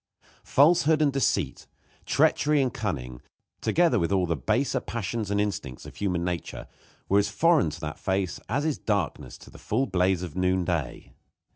Falsehood and deceit, treachery and cunning, together with all the baser passions and instincts of human nature, were as foreign to that face as is darkness to the full blaze of noonday.